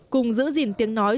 cùng giữ gìn tiếng nói